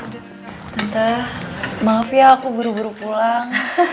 kita maaf ya aku buru buru pulang